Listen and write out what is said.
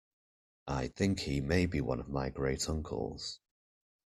I think he may be one of my great uncles.